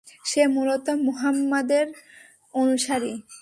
সে মূলত মুহাম্মাদের অনুসারী।